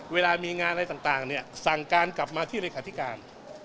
เวลามีงานอะไรต่างเนี่ยสั่งการกลับมาที่เลขาธิการ